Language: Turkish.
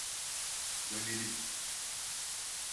Dönelim.